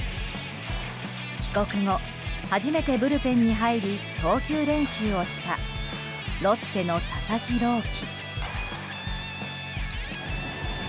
帰国後、初めてブルペンに入り投球練習をしたロッテの佐々木朗希。